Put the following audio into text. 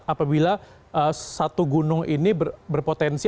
apabila satu gunung ini berpotensi